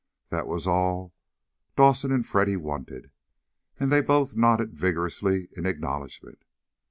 That was all Dawson and Freddy wanted, and they both nodded vigorously in acknowledgment.